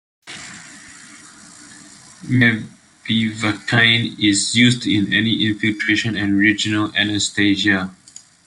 Mepivacaine is used in any infiltration and regional anesthesia.